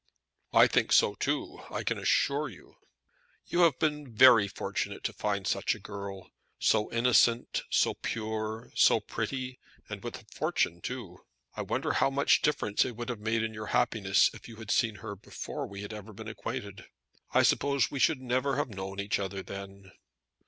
"I think so too, I can assure you." "You have been very fortunate to find such a girl; so innocent, so pure, so pretty, and with a fortune too. I wonder how much difference it would have made in your happiness if you had seen her before we had ever been acquainted. I suppose we should never have known each other then."